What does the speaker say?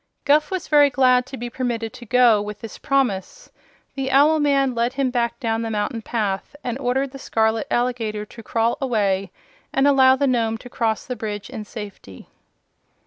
Guph was very glad to be permitted to go with this promise. The owl man led him back down the mountain path and ordered the scarlet alligator to crawl away and allow the Nome to cross the bridge in safety.